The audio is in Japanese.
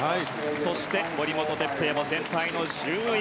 そして森本哲平も全体の１０位。